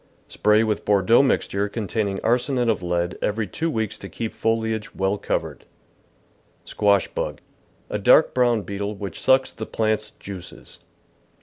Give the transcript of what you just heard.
Spray with Bordeaux mixture containing arsenate of lead every two weeks to keep foliage well covered. Squash Bug. — A dark brown beetle which sucks the plant's juices.